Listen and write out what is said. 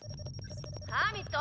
ハーミット？